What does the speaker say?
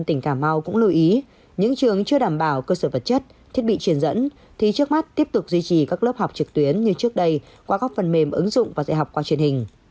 tỉnh cà mau cũng lưu ý những trường chưa đảm bảo cơ sở vật chất thiết bị truyền dẫn thì trước mắt tiếp tục duy trì các lớp học trực tuyến như trước đây qua các phần mềm ứng dụng và dạy học qua truyền hình